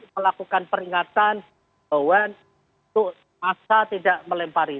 melakukan peringatan bahwa untuk masa tidak melempari